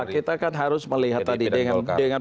kita kan harus melihat tadi